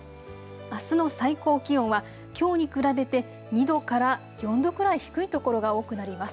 あすの最高気温はきょうに比べて２度から４度くらい低いところが多くなります。